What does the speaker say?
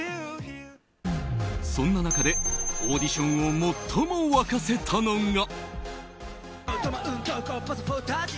そんな中でオーディションを最も沸かせたのが。